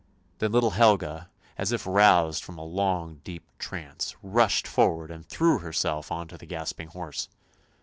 Then little Helga, as if roused from a long, deep trance, rushed forward and threw herself on to the gasping horse.